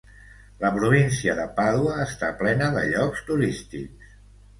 La província de Pàdua està plena de llocs turístics.